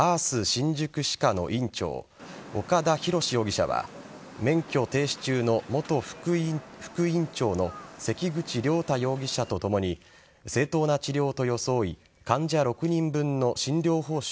新宿歯科の院長岡田洋容疑者は免許停止中の元副院長の関口了太容疑者とともに正当な治療と装い患者６人分の診療報酬